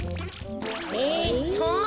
えっと。